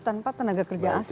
tanpa tenaga kerja asing